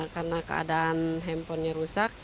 karena keadaan handphonenya rusak